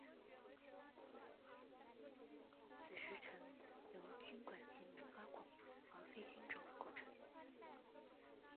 子实层体由菌管及萌发孔而非菌褶构成。